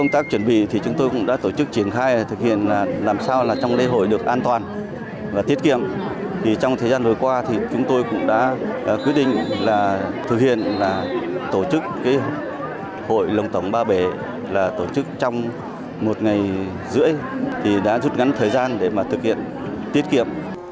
trong lễ hội được an toàn và tiết kiệm trong thời gian vừa qua chúng tôi cũng đã quyết định thực hiện tổ chức hội lồng tổng ba bể trong một ngày rưỡi đã rút ngắn thời gian để thực hiện tiết kiệm